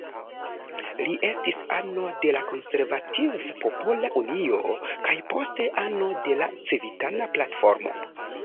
Li estis ano de la Konservativ-Popola Unio, kaj poste ano de la Civitana Platformo.